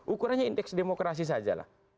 ukurannya indeks demokrasi saja lah